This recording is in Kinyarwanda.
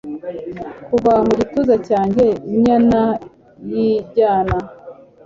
kuva mu gituza cyanjye injyana yinjyana